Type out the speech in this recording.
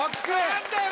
何だよ